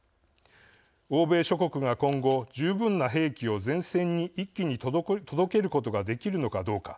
欧米諸国が今後、十分な兵器を前線に一気に届けることができるのかどうか。